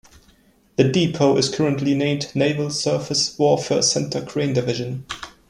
The depot is currently named Naval Surface Warfare Center Crane Division.